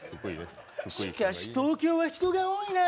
しかし東京は人が多いな。